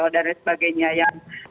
dan lain sebagainya